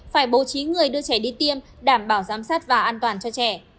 phải bố trí người đưa trẻ đi tiêm đảm bảo giám sát và an toàn cho trẻ